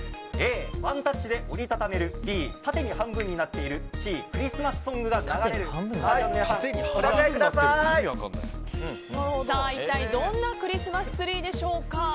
Ａ、ワンタッチで折りたためるＢ、縦に半分になっているＣ、クリスマスソングが流れる一体どんなクリスマスツリーでしょうか。